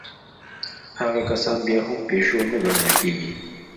هغه کسان بيا هم پيژو نه ګڼل کېږي.